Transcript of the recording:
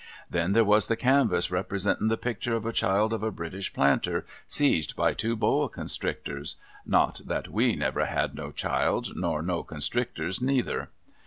Then, there was the canvass, representin the picter of a child of a British Planter, seized by two Boa Constrictors— not that 7ve never had no child, nor no Constrictors neither.